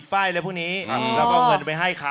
ได้แล้วนะครับทีที่ได้นะครับ